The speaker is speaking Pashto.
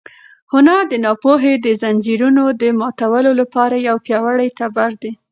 هنر د ناپوهۍ د ځنځیرونو د ماتولو لپاره یو پیاوړی تبر دی.